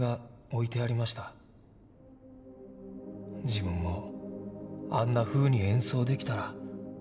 「自分もあんなふうに演奏できたら」